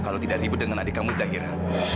kalau tidak ribut dengan adik kamu zahira